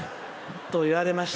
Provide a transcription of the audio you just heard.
言われました。